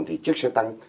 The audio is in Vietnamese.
thì chiếc xe tăng